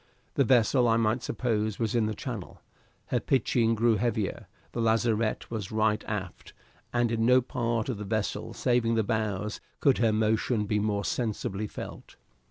The vessel, I might suppose, was in the Channel; her pitching grew heavier, the lazarette was right aft, and in no part of the vessel saving the bows could her motion be more sensibly felt.